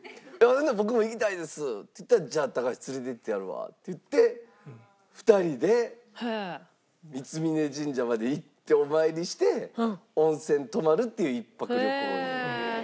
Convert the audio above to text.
「僕も行きたいです」って言ったら「じゃあ高橋連れてってやるわ」って言って２人で三峯神社まで行ってお参りして温泉泊まるっていう１泊旅行に。